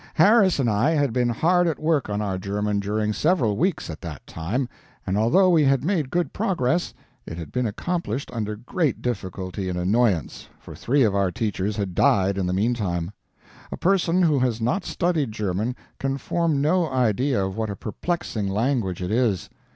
Harris and I had been hard at work on our German during several weeks at that time, and although we had made good progress, it had been accomplished under great difficulty and annoyance, for three of our teachers had died in the mean time. A person who has not studied German can form no idea of what a perplexing language it is.